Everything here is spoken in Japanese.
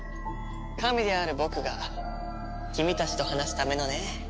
神である僕が君たちと話すためのね。